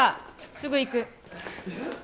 すぐ行く。